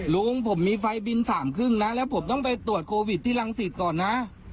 ลุงผมมีไฟบิน๓ครึ่งนะแล้วผมต้องไปตรวจโควิดที่รังสิตก่อนนะ